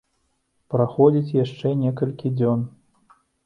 Праходзіць яшчэ некалькі дзён.